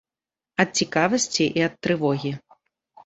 Ад цікавасці і ад трывогі.